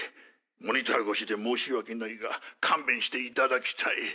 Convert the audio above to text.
モニター越しで申し訳ないが勘弁していただきたい。